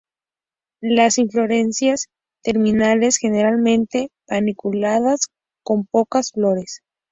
Las inflorescencias terminales, generalmente panículas con pocas flores.